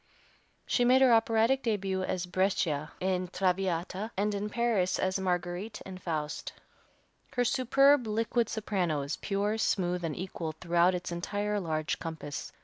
She made her operatic début at Brescia in "Traviata," and in Paris as Marguerite, in "Faust." Her superb, liquid soprano is pure, smooth and equal throughout its entire large compass.